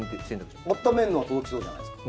温めるのは届きそうじゃないですか？